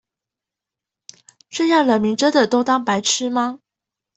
這樣人民真的都當白痴嗎？